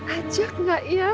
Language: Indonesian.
ajak gak ya